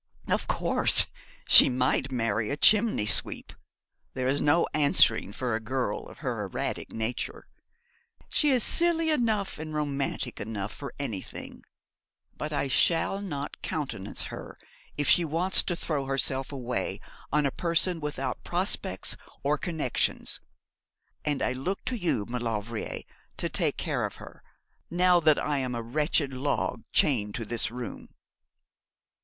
'Of course. She might marry a chimney sweep. There is no answering for a girl of her erratic nature. She is silly enough and romantic enough for anything; but I shall not countenance her if she wants to throw herself away on a person without prospects or connections; and I look to you, Maulevrier, to take care of her, now that I am a wretched log chained to this room.'